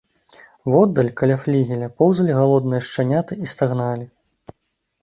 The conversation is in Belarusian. Воддаль, каля флігеля, поўзалі галодныя шчаняты і стагналі.